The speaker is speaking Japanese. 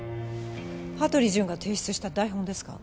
羽鳥潤が提出した台本ですか？